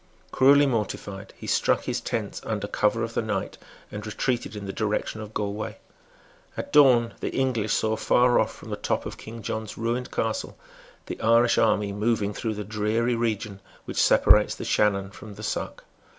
Cruelly mortified, he struck his tents under cover of the night, and retreated in the direction of Galway. At dawn the English saw far off, from the top of King John's ruined castle, the Irish army moving through the dreary region which separates the Shannon from the Suck.